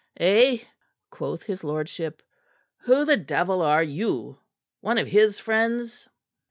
"Eh?" quoth his lordship. "Who the devil are you? One of his friends?"